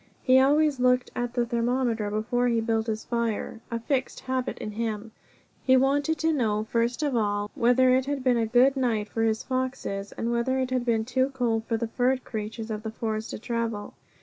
He always looked at the thermometer before he built his fire a fixed habit in him; he wanted to know, first of all, whether it had been a good night for his foxes, and whether it had been too cold for the furred creatures of the forest to travel.